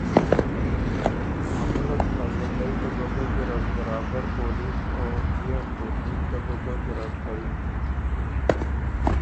ا ملّک ا ݫوندئ ده بو ګه ګیرډ برابر پولِن او تيېغ توفیق ده بو ګه ګیرد کَوِن۔